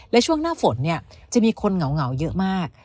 และช่วงหน้าฝนจะมีคนเหงาเยอะมาก